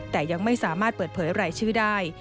แต่ยังไม่สามารถเปิดเผยรายชื่อได้